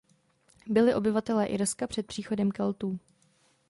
Byli obyvatelé Irska před příchodem Keltů.